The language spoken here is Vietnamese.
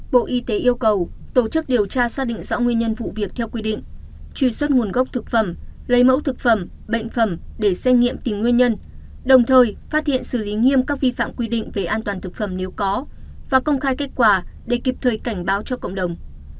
bộ y tế yêu cầu tổ chức điều tra xác định rõ nguyên nhân vụ việc theo quy định truy xuất nguồn gốc thực phẩm lấy mẫu thực phẩm bệnh phẩm để xét nghiệm tìm nguyên nhân đồng thời phát hiện xử lý nghiêm các vi phạm quy định về an toàn thực phẩm nếu có và công khai kết quả để kịp thời cảnh báo cho cộng đồng